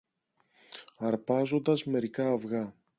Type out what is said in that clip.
αρπάζοντας μερικά αυγά